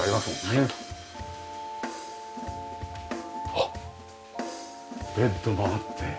あっベッドがあって。